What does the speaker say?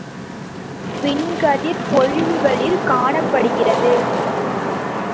விண்கதிர்ப் பொழிவுகளில் காணப்படுகிறது.